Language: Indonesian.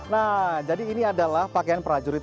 nah jadi ini adalah pakaian prajurit